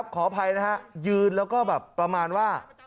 ขออภัยนะครับยืนและแบบประมาณว่า